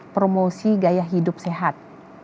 promosi gaya hidup sehat